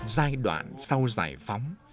giai đoạn sau giải phóng